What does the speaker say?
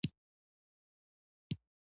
د کلي ملک محمد غفار به ويل.